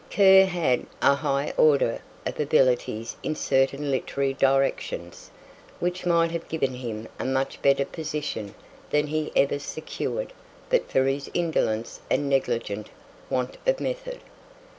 Kerr had a high order of abilities in certain literary directions, which might have given him a much better position than he ever secured but for his indolence and negligent want of method.